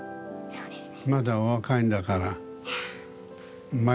そうですね。